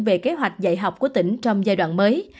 về kế hoạch dạy học của tỉnh trong giai đoạn mới